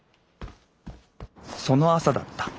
その朝だった。